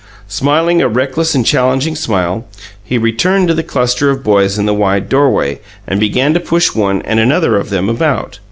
Smiling a reckless and challenging smile, he returned to the cluster of boys in the wide doorway and began to push one and another of them about.